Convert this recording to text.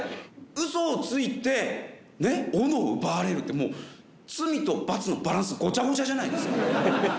ウソをついて斧を奪われるってもう罪と罰のバランスゴチャゴチャじゃないですか。